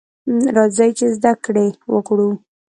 راځئ ! چې زده کړې وکړو.